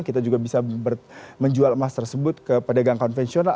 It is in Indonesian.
kita juga bisa menjual emas tersebut ke pedagang konvensional